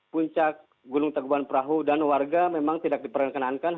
puncak gunung tangkuban perahu dan warga memang tidak diperkenankan